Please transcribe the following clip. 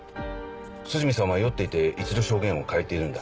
涼見さんは酔っていて一度証言を変えているんだ。